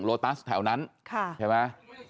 โลตัสแถวนั้นใช่ไหม